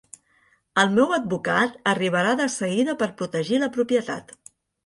El meu advocat arribarà de seguida per protegir la propietat.